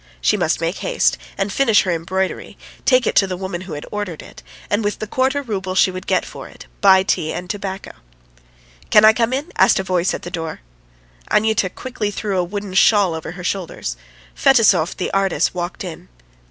She must make haste and finish her embroidery, take it to the woman who had ordered it, and with the quarter rouble she would get for it, buy tea and tobacco. "Can I come in?" asked a voice at the door. Anyuta quickly threw a woollen shawl over her shoulders. Fetisov, the artist, walked in.